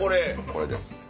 これです。